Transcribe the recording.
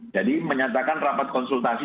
jadi menyatakan rapat konsultasi